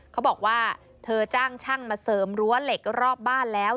เขาบอกว่าเธอจ้างช่างมาเสริมรั้วเหล็กรอบบ้านแล้ว